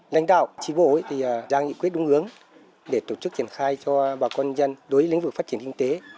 lãnh đạo tri bộ đang nghĩ quyết đúng hướng để tổ chức triển khai cho bà con nhân dân đối với lĩnh vực phát triển kinh tế